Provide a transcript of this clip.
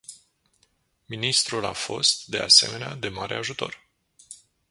Ministrul a fost, de asemenea, de mare ajutor.